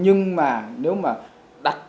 nhưng mà nếu mà đặt